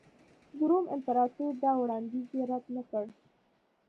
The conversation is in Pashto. د روم امپراتور دا وړاندیز یې رد نه کړ